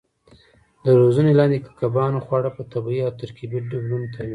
د روزنې لاندې کبانو خواړه په طبیعي او ترکیبي ډولونو تامینېږي.